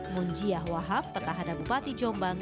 munjiah wahab petahana bupati jombang